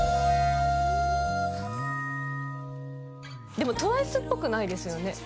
でもＴＷＩＣＥっぽくないですよね。